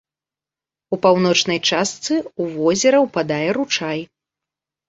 У паўночнай частцы ў возера ўпадае ручай.